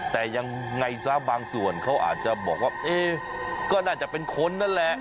แต่ยังไงซะบางส่วนเขาอาจจะบอกว่าเอ๊ก็น่าจะเป็นคนนั่นแหละ